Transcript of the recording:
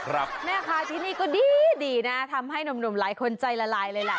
พาไปดูแม่ค้าแม่ค้าที่นี่ก็ดีนะทำให้หนุ่มหลายคนใจละลายเลยแหละ